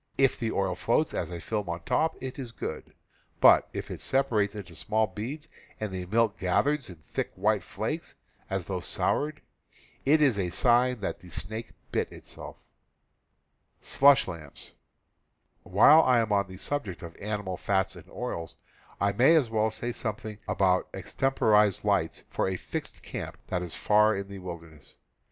If the oil floats as a film on top it is good; but if it sepa rates into small beads and the milk gathers in thick white flakes, as though soured, it is a sign that the snake bit itself. While I am on the subject of animal fats and oils, I may as well say something about extemporized lights „,, T for a fixed camp that is far in the wil Slush Lamps. ,* i v. i • j i derness.